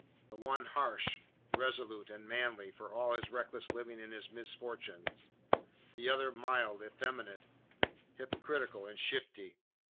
The one harsh, resolute, and manly, for all his reckless living and his misfortunes; the other mild, effeminate, hypocritical and shifty.